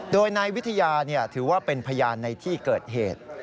โดยนายวิทยาถือว่าเป็นพยานในที่เกิดเหตุ